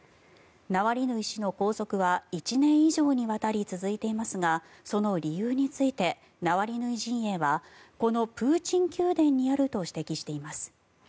ナワリヌイ氏の拘束は１年以上にわたり続いていますがその理由についてナワリヌイ陣営はこのプーチン宮殿にあると指摘しています。